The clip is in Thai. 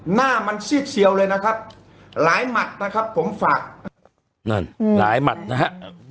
หน้ามันซีดเซียวเลยนะครับหลายหมัดนะครับผมฝากนั่นหลายหมัดนะฮะ